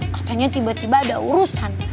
katanya tiba tiba ada urusan